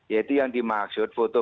yaitu yang dimaksud foto